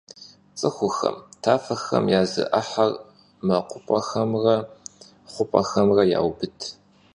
Ts'ıxuxem tafexem ya zı 'ıher mekhup'exemre xhup'exemre yaubıd.